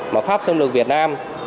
mà pháp xâm lược việt nam